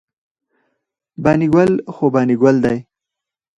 بانی ګل خو بانی ګل داي